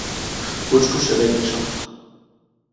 Busco saber: "Qui sóc?".